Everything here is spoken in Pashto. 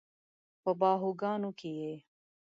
په باهوګانو کې یې